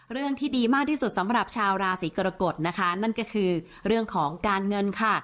เรื่องที่ดีมากที่สุดสำหรับชาวราศีกรกฎนะคะนั่นก็คือเรื่องของการเงินค่ะ